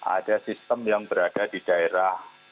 ada sistem yang berada di daerah